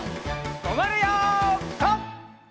とまるよピタ！